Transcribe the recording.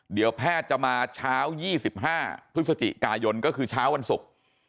เดี๋ยวแพทย์จะมาเช้า๒๕พฤศจิกายนก็คือเช้าวันศุกร์